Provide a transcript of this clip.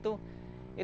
tapi kebetulan tidak